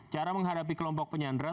cara menghadapi kelompok penyanderaan